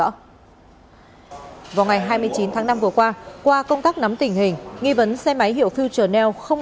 ở vòng ngày hai mươi chín tháng năm vừa qua qua công tác nắm tình hình nghi vấn xe máy hiệu future nail không